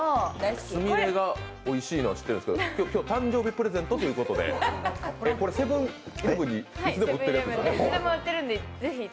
すみれがおいしいのは知ってるんですけど、今日は誕生日プレゼントということで、これ、セブン−イレブンにいつでも売ってるやつ？